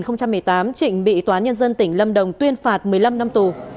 năm hai nghìn một mươi tám trịnh bị tòa nhân dân tỉnh lâm đồng tuyên phạt một mươi năm năm tù